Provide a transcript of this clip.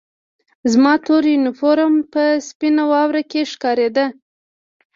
زما تور یونیفورم په سپینه واوره کې ښکارېده